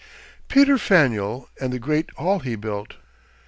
PETER FANEUIL, AND THE GREAT HALL HE BUILT.